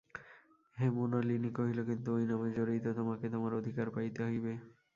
হেমনলিনী কহিল, কিন্তু ঐ নামের জোরেই তো তোমাকে তোমার অধিকার পাইতে হইবে।